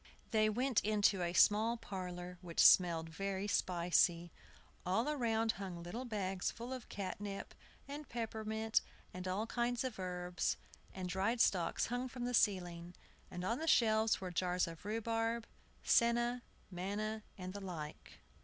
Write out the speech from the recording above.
They went into a small parlor, which smelt very spicy. All around hung little bags full of catnip, and peppermint, and all kinds of herbs; and dried stalks hung from the ceiling; and on the shelves were jars of rhubarb, senna, manna, and the like.